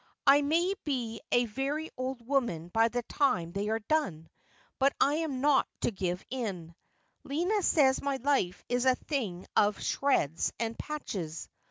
I may be a very old woman by the time they are done, but I am not going to give in. Lina says my life is a thing of shreds and patches.